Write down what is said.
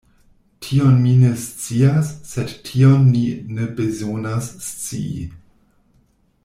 Tion mi ne scias; sed tion ni ne bezonas scii.